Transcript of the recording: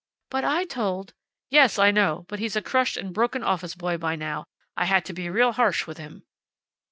"But I told " "Yes, I know. But he's a crushed and broken office boy by now. I had to be real harsh with him."